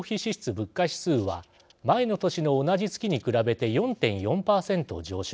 物価指数は前の年の同じ月に比べて４．４％上昇。